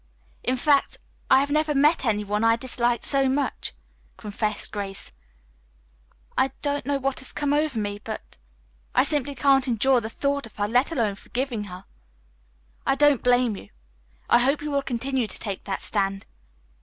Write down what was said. In fact, I have never met any one I disliked so much," confessed Grace. "I don't know what has come over me, but I simply can't endure the thought of her, let alone forgiving her." "I don't blame you. I hope you will continue to take that stand.